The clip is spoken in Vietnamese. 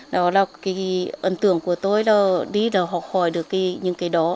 đó là cái ấn tượng của tôi là đi học hỏi được những cái đó